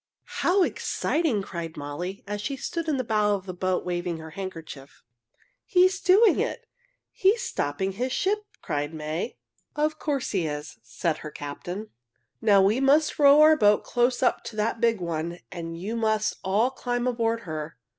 "How exciting!" cried Molly, as she stood in the bow of the boat waving her handkerchief. "He is doing it! He is stopping his ship!" cried May. "Of course he is," said her captain. "Now we must row our boat close up to the big one, and you must all climb aboard her."